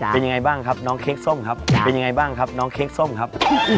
เป็นยังไงบ้างครับน้องเค้กส้มครับ